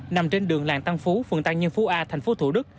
nằm trên đường làng tăng phú phường tăng nhân phú a tp thủ đức